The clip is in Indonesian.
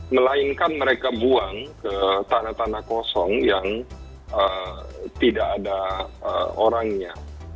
melainkan mereka buang ke tanah tanah kosong yang tidak ada orangnya